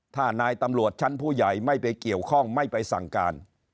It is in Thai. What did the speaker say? ถ้านายตำรวจชั้นผู้ใหญ่ไม่ไปเกี่ยวข้องไม่ไปสั่งการ